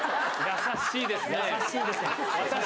優しいです。